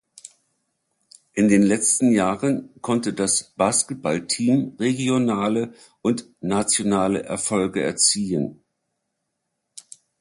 In den letzten Jahren konnte das Basketballteam regionale und nationale Erfolge erziehen.